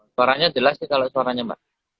suaranya jelas sih kalau suaranya mbak